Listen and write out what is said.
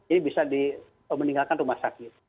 ini bisa meninggalkan rumah sakit